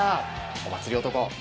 お祭り男！